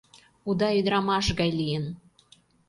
Уда ӱдырамаш гай лийын.